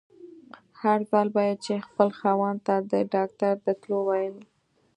هر ځل به يې چې خپل خاوند ته د ډاکټر د تلو ويل.